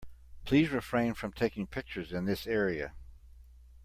Please refrain from taking pictures in this area.